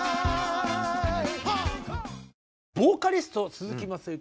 ボーカリスト鈴木雅之